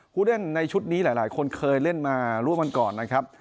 ผู้เล่นในชุดนี้หลายคนเคยเล่นมาร่วมกันก่อนนะครับ